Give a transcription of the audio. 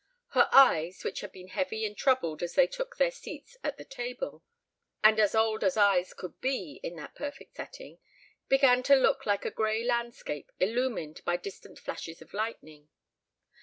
Her eyes, which had been heavy and troubled as they took their seats at the table, and as old as eyes could be in that perfect setting, began to look like a gray landscape illumined by distant flashes of lightning.